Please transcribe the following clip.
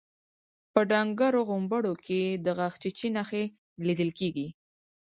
په ډنګرو غومبرو کې يې د غاښچيچي نښې ليدل کېدې.